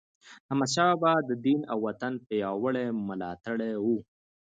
احمدشاه بابا د دین او وطن پیاوړی ملاتړی و.